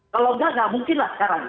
kalau enggak nggak mungkin lah sekarang